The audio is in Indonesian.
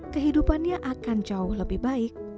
kehidupannya akan jauh lebih baik